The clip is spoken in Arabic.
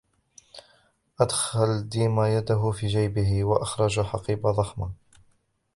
أدخل ديما يده في جيبه ، وأخرج حقيبةً ضخمةً.